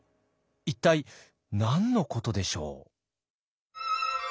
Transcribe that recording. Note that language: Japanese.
一体何のことでしょう？